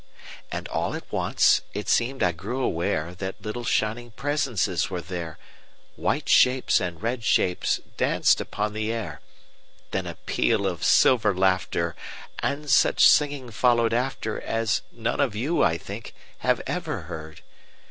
And all at once it seem'd I grew awareThat little, shining presences were there,—White shapes and red shapes danced upon the air; Then a peal of silver laughter, And such singing followed afterAs none of you, I think, have ever heard.